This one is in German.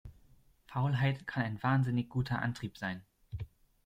Faulheit kann ein wahnsinnig guter Antrieb sein.